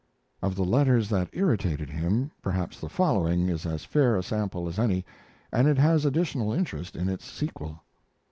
Of the letters that irritated him, perhaps the following is as fair a sample as any, and it has additional interest in its sequel.